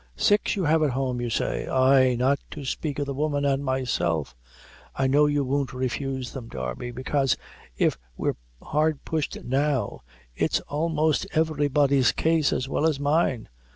Six you have at home, you say?" "Ay, not to speak of the woman; an' myself. I know you won't, refuse them, Darby, bekase if we're hard pushed now, it's, a'most every body's case as well as mine.